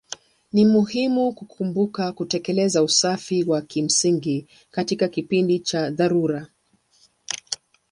Ni muhimu kukumbuka kutekeleza usafi wa kimsingi katika kipindi cha dharura.